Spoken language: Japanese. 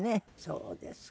そうですか。